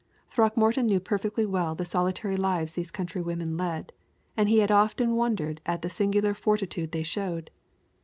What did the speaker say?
Throckmorton knew perfectly well the solitary lives these country women led, and he had often wondered at the singular fortitude they showed.